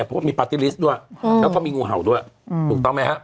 เพราะว่ามีปาร์ตี้ลิสต์ด้วยแล้วก็มีงูเห่าด้วยถูกต้องไหมฮะ